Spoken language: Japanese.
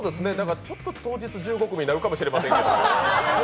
ちょっと当日、１５組になるかもしれないですけど。